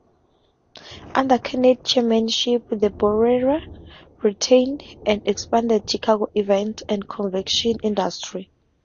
Under Kennedy's chairmanship, the bureau retained and expanded Chicago's event-and-convention industry.